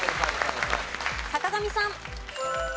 坂上さん。